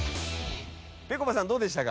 ぺこぱさんどうでしたか？